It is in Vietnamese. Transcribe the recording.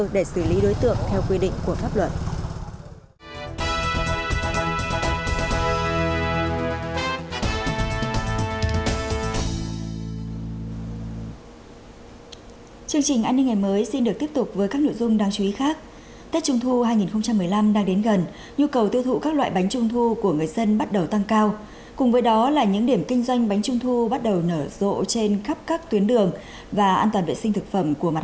để xử lý đối tượng theo quy định của pháp luật